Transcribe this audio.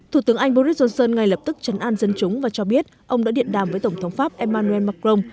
thủ tướng anh boris johnson ngay lập tức chấn an dân chúng và cho biết ông đã điện đàm với tổng thống pháp emmanuel macron